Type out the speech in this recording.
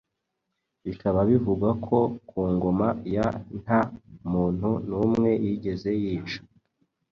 bikaba bivugwa ko ku ngoma ye nta muntu n’umwe yigeze yica.